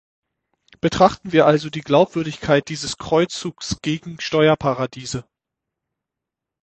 Betrachten wir also die Glaubwürdigkeit dieses Kreuzzugs gegen Steuerparadiese.